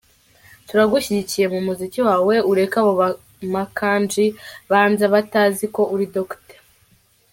turagushyigikiye mumuziki wawe ureke abo ba Makanji banza batazi ko uri doctor.